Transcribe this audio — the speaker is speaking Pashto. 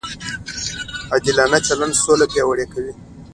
عادلانه چلند سوله پیاوړې کوي.